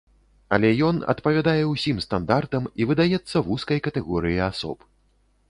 Але ён адпавядае ўсім стандартам і выдаецца вузкай катэгорыі асоб.